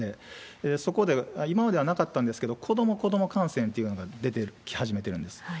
そこで今まではなかったんですけど、子ども、子ども感染というのが出てき始めているんです。